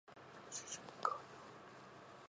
教習所に通う